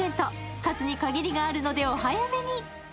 数に限りがあるのでお早めに。